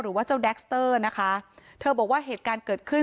หรือว่าเจ้าแดคสเตอร์นะคะเธอบอกว่าเหตุการณ์เกิดขึ้น